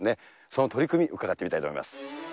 その取り組み、伺ってみたいと思います。